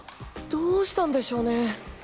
どうしたんでしょうね？